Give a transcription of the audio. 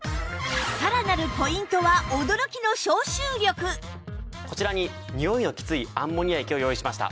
さらなるポイントはこちらににおいのきついアンモニア液を用意しました。